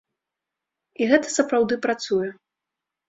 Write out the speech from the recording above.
І гэта сапраўды працуе.